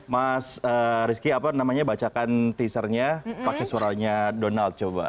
mas rizky apa namanya bacakan teasernya pakai suaranya donald coba